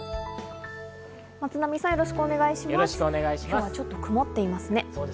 今日はちょっと曇っていますね。